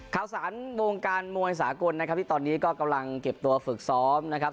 ข่าวสารวงการมวยสากลนะครับที่ตอนนี้ก็กำลังเก็บตัวฝึกซ้อมนะครับ